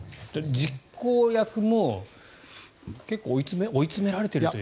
実行役も結構追い詰められているというか。